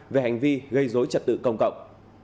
về hành vi gây dối trật tự công cộng